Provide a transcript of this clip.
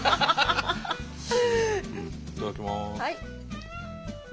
いただきます。